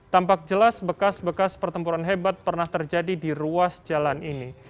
tampak jelas bekas bekas pertempuran hebat pernah terjadi di ruas jalan ini